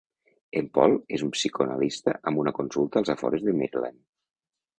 En Paul és un psicoanalista amb una consulta als afores de Maryland.